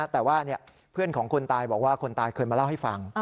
แต่ว่าเพื่อนของคนตายบอกว่าคนตายเคยมาเล่าให้ฟัง